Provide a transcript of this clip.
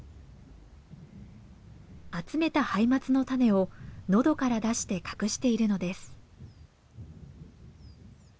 集めたハイマツの種をのどから出して隠しているのです。